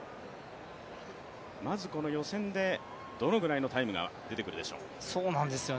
まずこの予選で、どのくらいのタイムが出てくるでしょうか。